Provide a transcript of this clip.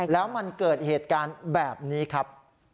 แล้วมันเกิดเหตุการณ์แบบนี้ครับ